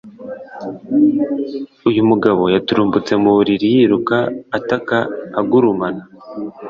uyu mugabo yaturumbutse mu buriri yiruka ataka agurumana